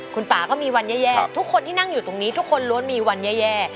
คุณป่าก็มีวันแย่ทุกคนที่นั่งอยู่ตรงนี้ทุกคนล้วนมีวันแย่